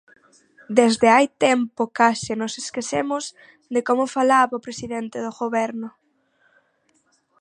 Desde hai tempo case nos esquecemos de como falaba o presidente do Goberno.